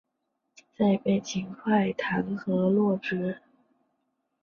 再被秦桧弹劾落职。